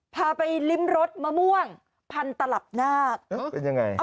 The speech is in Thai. พาไปลิ้มรสมะม่วงพันธ์ตลับนาค